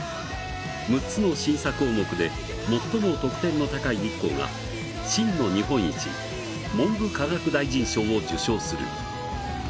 ６つの審査項目で最も得点の高い１校が真の日本一文部科学大臣賞を受賞する。